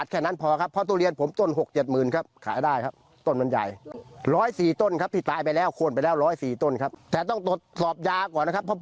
ฟังพี่วินัยหน่อยครับ